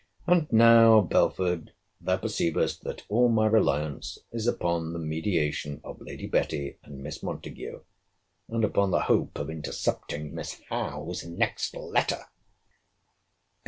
And now, Belford, thou perceivest, that all my reliance is upon the mediation of Lady Betty and Miss Montague, and upon the hope of intercepting Miss Howe's next letter.